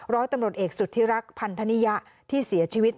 ร้อยตำรวจเอกสุธิรักษ์พันธนิยะที่เสียชีวิต